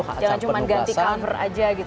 jangan cuma ganti cover saja gitu ya